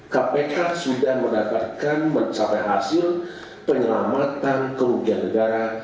kpk sudah mendapatkan mencapai hasil penyelamatan kerugian negara